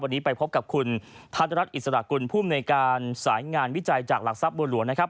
วันนี้ไปพบกับคุณธัศนรัฐอิสระกุลภูมิในการสายงานวิจัยจากหลักทรัพย์บัวหลวงนะครับ